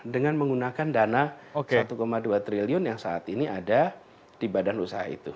dengan menggunakan dana satu dua triliun yang saat ini ada di badan usaha itu